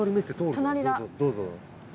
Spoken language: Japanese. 隣だ。